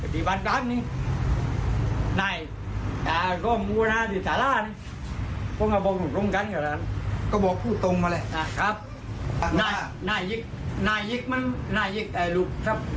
แล้วมาซื้อที่บ้านไหมหรือไปปล่อยข้างนอก